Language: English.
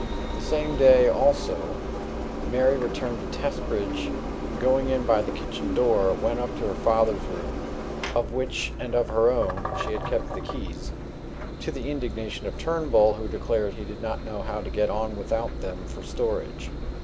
The same day, also, Mary returned to Testbridge, and, going in by the kitchen door, went up to her father's room, of which and of her own she had kept the keys to the indignation of Turnbull, who declared he did not know how to get on without them for storage.